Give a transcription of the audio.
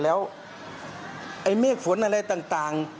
แล้วไอ้เมฆฝนอะไรต่าง